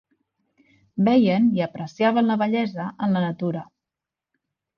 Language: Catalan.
Veien i apreciaven la bellesa en la natura.